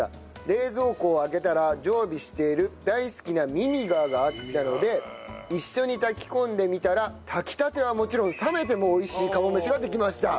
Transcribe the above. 冷蔵庫を開けたら常備している大好きなミミガーがあったので一緒に炊き込んでみたら炊きたてはもちろん冷めても美味しい釜飯ができました。